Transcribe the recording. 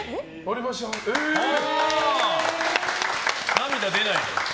涙出ない？